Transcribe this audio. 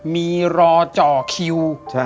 มีรอจอคิว